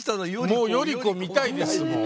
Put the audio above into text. もう頼子見たいですもん。